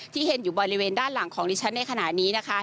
ที่เห็นอยู่บริเวณด้านหลังของดิฉันในขณะนี้นะคะ